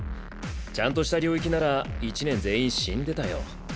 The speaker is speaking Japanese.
ちゃんとした領域なら一年全員死んでたよ。